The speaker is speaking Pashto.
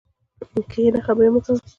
کښېنه خبري مه کوه!